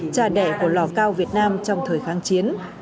cha đẻ của lò cao việt nam trong thời kháng chiến